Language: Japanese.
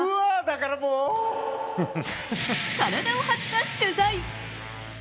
体を張った取材。